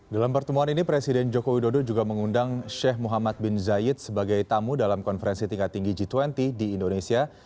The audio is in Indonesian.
dalam pertemuan ini presiden joko widodo juga mengundang sheikh muhammad bin zayed sebagai tamu dalam konferensi tingkat tinggi g dua puluh di indonesia